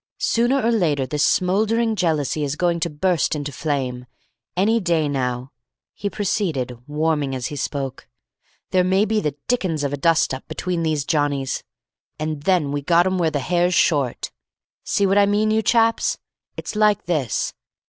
Sooner or later this smouldering jealousy is going to burst into flame. Any day now," he proceeded, warming as he spoke, "there may be the dickens of a dust up between these Johnnies, and then we've got 'em where the hair's short. See what I mean, you chaps? It's like this.